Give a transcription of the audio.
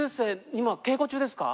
今稽古中ですか？